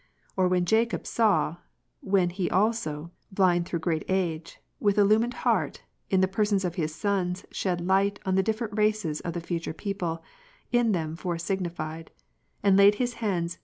Or which Jacob saw, when he also, blind through great age, with illumined heart, in the persons of his sons shed light on the different races of the future people, in them foresignified ; and laid his hands, Gen. 48.